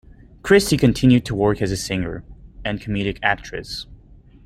Christie continued to work as a singer and comedic actress.